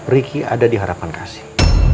riki ada di harapan kasih